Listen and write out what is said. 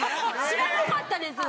知らなかったです